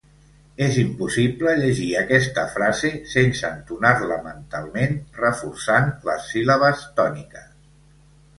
És impossible llegir aquesta frase sense entonar-la mentalment, reforçant les síl·labes tòniques.